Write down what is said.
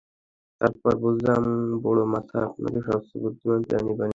তারপর বুঝলাম বড় মাথা আমাকে সবচেয়ে বুদ্ধিমান প্রাণী বানিয়েছে।